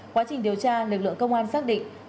quá trình điều tra lực lượng công an xác định